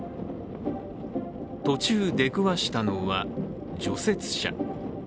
途中、出くわしたのは除雪車。